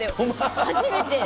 初めて。